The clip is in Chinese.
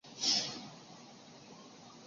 举办过奥运会的国家可以有两名委员。